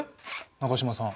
中島さん。